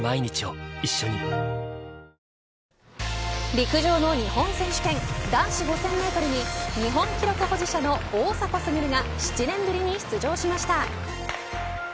陸上の日本選手権男子５０００メートルに日本記録保持者の大迫傑が７年ぶりに出場しました。